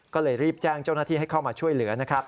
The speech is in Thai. ก็เลยรีบแจ้งเจ้าหน้าที่ให้เข้ามาช่วยเหลือนะครับ